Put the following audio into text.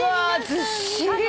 ずっしり。